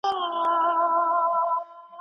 موږ ولي له هغې پیښې ډاریږو چي یو ځل کیږي؟